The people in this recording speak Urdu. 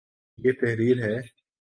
یہ تحریر ہے